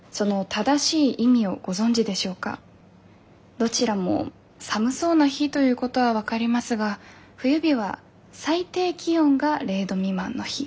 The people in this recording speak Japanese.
どちらも寒そうな日ということは分かりますが冬日は最低気温が０度未満の日。